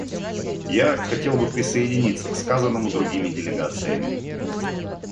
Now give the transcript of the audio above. Я хотел бы присоединиться к сказанному другими делегациями.